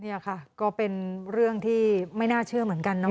นี่ค่ะก็เป็นเรื่องที่ไม่น่าเชื่อเหมือนกันนะ